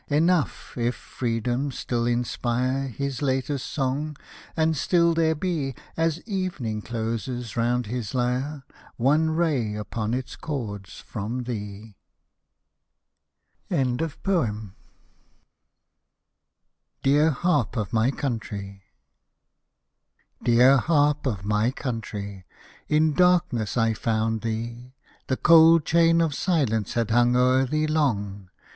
Enough, if Freedom still inspire His latest song, and still there be. As evening closes round his lyre, One ray upon its chords from thee. ^ EAR HARP OF MY COUNTRY Dear Harp of my Country ! in darkness I found thee. The cold chain of silence had hung o'er thee long.